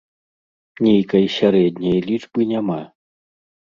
Нейкай сярэдняй лічбы няма.